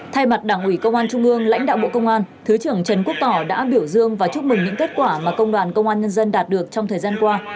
thay mặt đảng ủy công an trung ương lãnh đạo bộ công an thứ trưởng trần quốc tỏ đã biểu dương và chúc mừng những kết quả mà công đoàn công an nhân dân đạt được trong thời gian qua